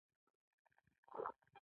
کړکۍ د باندې له خوا وسپنيزه پنجره لرله.